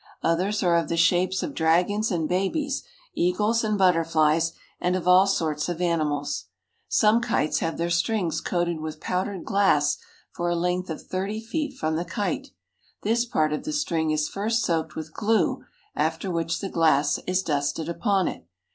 Others are of the shapes of dragons and babies, eagles and butterflies, and of all sorts of animals. Some kites have their strings coated with powdered glass for a length of thirty feet from the kite. This part of the string is first soaked with glue, after which the glass is dusted upon it.